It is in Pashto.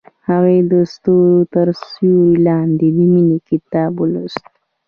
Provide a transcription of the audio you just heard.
هغې د ستوري تر سیوري لاندې د مینې کتاب ولوست.